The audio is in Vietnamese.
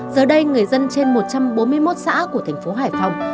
giờ đây người dân trên một trăm bốn mươi một xã của thành phố hải phòng